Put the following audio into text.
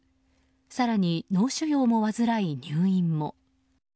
更に、脳腫瘍も患い入院も。